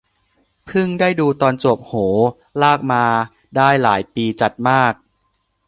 เพิ่งได้ดูตอนจบ โห ลากมาได้หลายปีจัดมาก